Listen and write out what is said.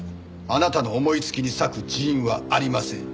あなたの思いつきに割く人員はありません。